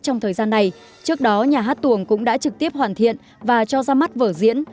trong thời gian này trước đó nhà hát tuồng cũng đã trực tiếp hoàn thiện và cho ra mắt vở diễn